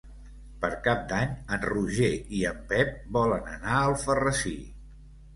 Per Cap d'Any en Roger i en Pep volen anar a Alfarrasí.